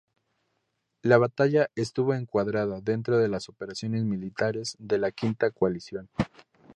La batalla estuvo encuadrada dentro de las operaciones militares de la Quinta Coalición.